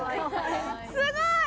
すごい！